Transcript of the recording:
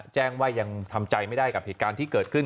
แจ้งว่ายังทำใจไม่ได้กับเหตุการณ์ที่เกิดขึ้น